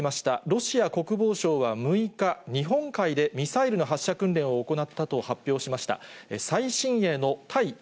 ロシア国防省は６日、日本海でミサイルの発射訓練を行ったと発表しました。